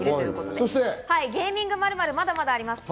そしてゲーミング○○、まだまだあります。